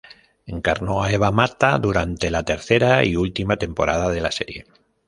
Encarnó a Eva Mata durante la tercera y última temporada de la serie.